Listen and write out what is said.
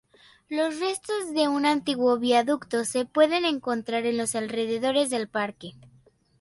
Los restos de un antiguo viaducto se pueden encontrar en los alrededores del parque.